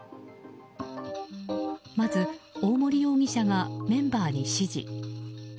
まず、大森容疑者がメンバーに指示。